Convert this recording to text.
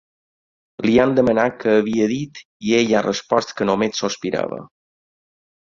Li han demanat què havia dit i ell ha respost que només sospirava.